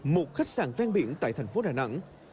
một khách sạn ven biển tại thành phố đà nẵng